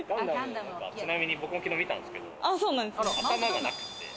僕も昨日見たんですけど、頭がなくて。